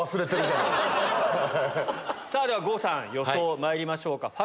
では郷さん予想まいりましょう。